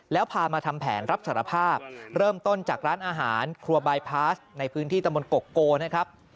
แล้วพามาทำแผนรับสารภาพเริ่มต้นจากร้านอาหารครัวบายพาสในพื้นที่ตะมนตกโกนะครับ